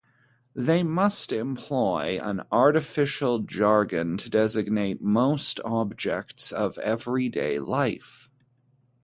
They must employ an artificial jargon to designate most objects of everyday life.